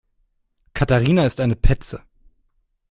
Katharina ist eine Petze.